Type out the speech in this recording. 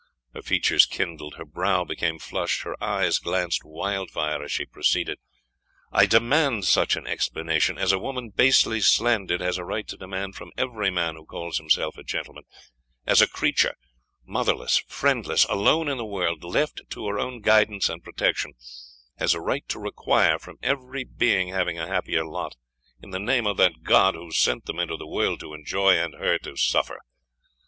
Her features kindled her brow became flushed her eye glanced wild fire as she proceeded "I demand such an explanation, as a woman basely slandered has a right to demand from every man who calls himself a gentleman as a creature, motherless, friendless, alone in the world, left to her own guidance and protection, has a right to require from every being having a happier lot, in the name of that God who sent them into the world to enjoy, and her to suffer.